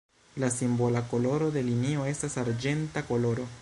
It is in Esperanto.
La simbola koloro de linio estas arĝenta koloro.